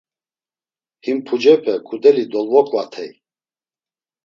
Him, pucepe ǩudeli dolvoǩvatey.